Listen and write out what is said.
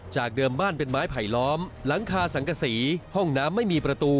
จากเดิมบ้านเป็นไม้ไผลล้อมหลังคาสังกษีห้องน้ำไม่มีประตู